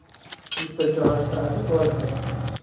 بیست و چهار ساعته باز هستیم.